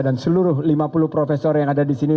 dan seluruh lima puluh profesor yang ada di sini